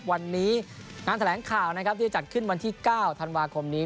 วันนี้งานแถลงข่าวนะครับที่จะจัดขึ้นวันที่๙ธันวาคมนี้